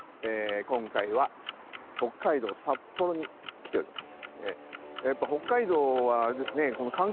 今回は北海道札幌に来ております。